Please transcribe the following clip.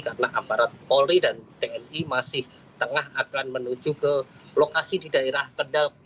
karena aparat polri dan tni masih tengah akan menuju ke lokasi di daerah kedep